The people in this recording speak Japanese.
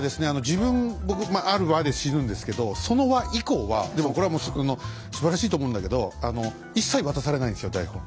自分僕ある話で死ぬんですけどその話以降はでもこれはすばらしいと思うんだけど一切渡されないんですよ台本。